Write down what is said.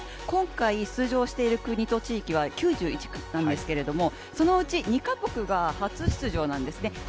今回、出場している国と地域は９１なんですけれども、そのうち２カ国が初出場なんですね